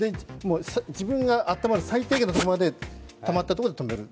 自分が温まる最低限のところまでたまったところで止める。